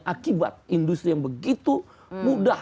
akibat industri yang begitu mudah